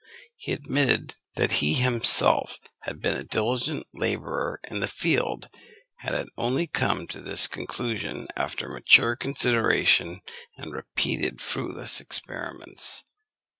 He admitted that he had himself been a diligent labourer in the field, and had only come to this conclusion after mature consideration and repeated fruitless experiments.